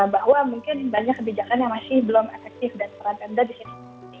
bahwa mungkin banyak kebijakan yang masih belum efektif dan peran pemda di sini